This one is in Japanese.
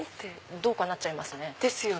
どうかなっちゃいますね。